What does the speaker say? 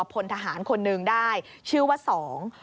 พลทหารคนหนึ่งได้ชื่อว่าสอง